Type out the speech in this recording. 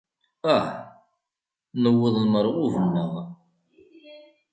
Ah! Newweḍ lmerɣub-nneɣ!